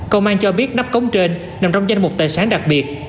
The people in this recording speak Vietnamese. công an cho biết nắp cống trên nằm trong danh mục tài sản đặc biệt